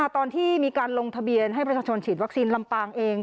ตอนที่มีการลงทะเบียนให้ประชาชนฉีดวัคซีนลำปางเอง